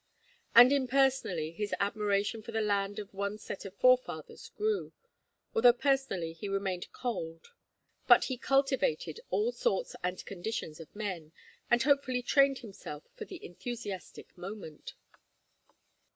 And impersonally his admiration for the land of one set of forefathers grew, although personally he remained cold. But he cultivated all sorts and conditions of men, and hopefully trained himself for the enthusiastic moment.